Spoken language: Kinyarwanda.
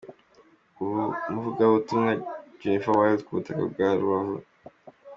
Umuvugabutumwa Jennifer Wilde ku butaka bwa Rubavu.